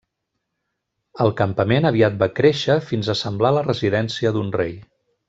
El campament aviat va créixer fins a semblar la residència d'un rei.